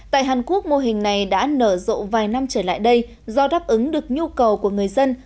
tại hàn quốc mô hình này đã nở rộ vài năm trở lại đây do đáp ứng được nhu cầu của người dân